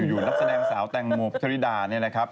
อยู่แล้วแสดงสาวแต่งหมวบธริดาเนี่ยนะครับ